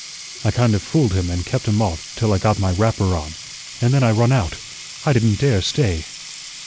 I kind of fooled him and kept him off till I got my wrapper on, an' then I run out. I didn't dare stay."